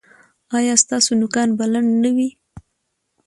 ایا ستاسو نوکان به لنډ نه وي؟